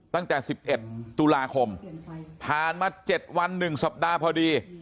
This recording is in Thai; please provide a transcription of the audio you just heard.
ตั้งแต่๑๑ตุลาคมผ่านมา๗วัน๑สัปดาห์พอดี